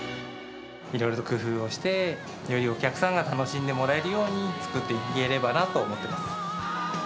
いろいろと工夫をして、よりお客さんが楽しんでもらえるように作っていければなと思っています。